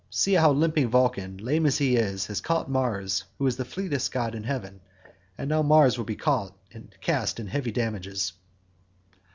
See how limping Vulcan, lame as he is, has caught Mars who is the fleetest god in heaven; and now Mars will be cast in heavy damages."